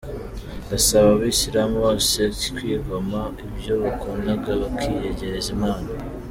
Ndasaba Abasilamu bose kwigomwa ibyo bakundaga bakiyegereza Imana.